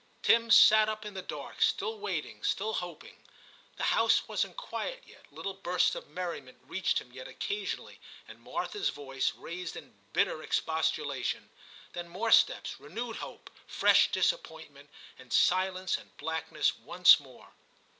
Tim sat up in the dark, still waiting, still hoping. The house wasn't quiet yet ; little bursts of merriment reached him yet occasionally, and Martha's voice raised in bitter expostulation. Then more steps, renewed hope, fresh disappointment, and silence and blackness once more.